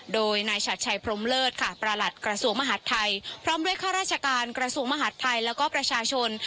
โดยนายชัดชัยพรมเลิศค่ะประหลัดกระทรวงมหาดไทยพร้อมด้วยข้าราชการกระทรวงมหาดไทยแล้วก็ประชาชน